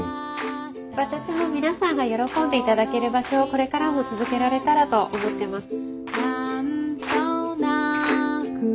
私も皆さんが喜んでいただける場所をこれからも続けられたらと思ってます。